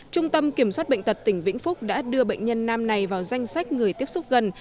trung tâm kiểm soát bệnh tật tỉnh vĩnh phúc đã đưa bệnh nhân nam này vào danh sách người tiếp xúc gần